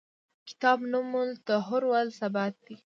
کتاب نوم التطور و الثبات دی.